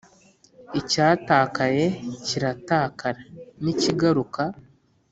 icyatakaye kiratakara nikigaruka